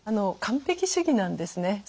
完璧主義なんですね。